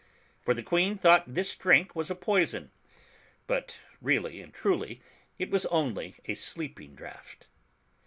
For the Queen thought this drink was a poison, but really and truly it was only a sleeping draught.